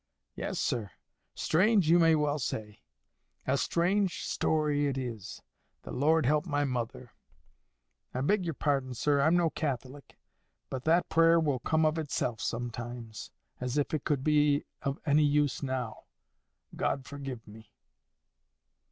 "Yes, sir; strange you may well say. A strange story it is. The Lord help my mother! I beg yer pardon, sir. I'm no Catholic. But that prayer will come of itself sometimes. As if it could be of any use now! God forgive me!"